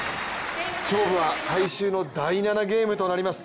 勝負は最終の第７ゲームとなります